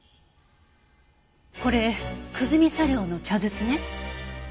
これ久住茶寮の茶筒ね。